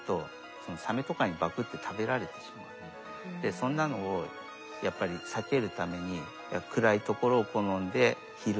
そんなのをやっぱり避けるために暗いところを好んで昼間は潜ってると。